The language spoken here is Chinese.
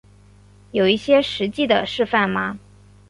有一些实际的示范吗